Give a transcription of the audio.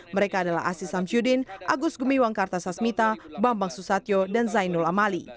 mereka adalah aziz samsyudin agus gumiwang kartasasmita bambang susatyo dan zainul amali